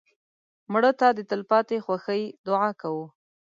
مړه ته د تلپاتې خوښۍ دعا کوو